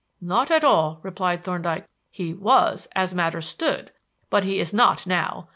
"Not at all," replied Thorndyke. "He was as matters stood; but he is not now.